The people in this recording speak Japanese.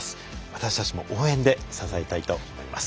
私たちも応援で支えたいと思います。